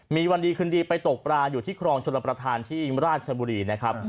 มีวันดีคืนดีไปตกปลาอยู่ที่ครองชลประธานที่ราชบุรีนะครับ